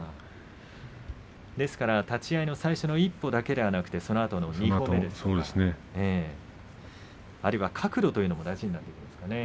ですから、立ち合い最初の１歩だけではなくて２歩目とかあるいは角度というのも大事になってきますね。